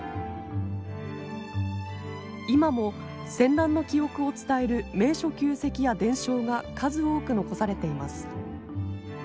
今も戦乱の記憶を伝える名所旧跡や伝承が数多く残されています。